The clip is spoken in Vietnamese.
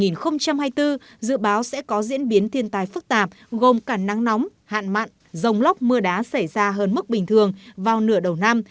năm hai nghìn hai mươi bốn dự báo sẽ có diễn biến thiên tài phức tạp gồm cả nắng nóng hạn mặn dòng lốc mưa đá xảy ra hơn mức bình thường vào nửa đầu năm